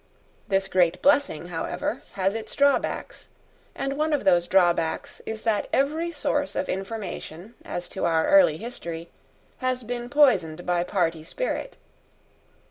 This great blessing, however, has its drawbacks: and one of those drawbacks is that every source of information as to our early history has been poisoned by party spirit.